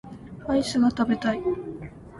アイスが食べたい